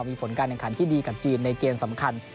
มีผลการแข่งขันที่ดีกับจีนในเกมสำคัญ